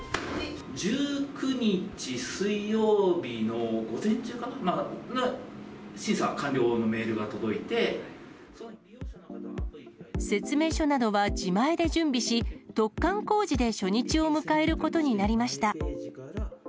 １９日水曜日の午前中かな、説明書などは自前で準備し、突貫工事で初日を迎えることになりました。